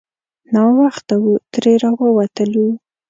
ناوخته وو ترې راووتلو.